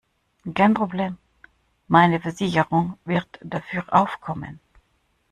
Kein Problem, meine Versicherung wird dafür aufkommen.